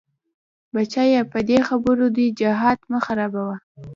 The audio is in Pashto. بچيه په دې خبرو دې جهاد مه خرابوه.